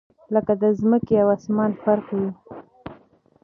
لكه دځمكي او اسمان فرق وي